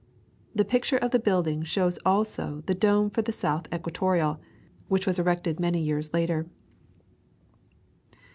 The picture of the building shows also the dome for the South equatorial, which was erected many years later.